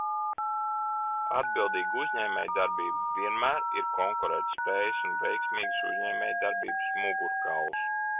Atbildīga uzņēmējdarbība vienmēr ir konkurētspējas un veiksmīgas uzņēmējdarbības mugurkauls.